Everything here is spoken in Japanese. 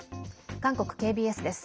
韓国ＫＢＳです。